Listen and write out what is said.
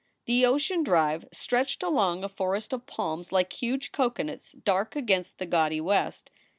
The Ocean Drive stretched along a forest of palms like huge coconuts dark against the gaudy west.